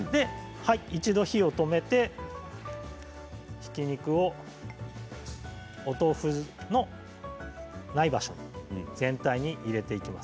一度火を止めてひき肉をお豆腐のない場所に全体に入れていきます。